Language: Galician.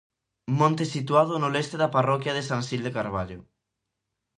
Monte situado no leste da parroquia de San Xil de Carballo.